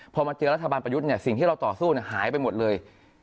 พอมาเจอรัฐบาลประยุทธ์สิ่งที่เราต่อสู้หายไปหมดเลย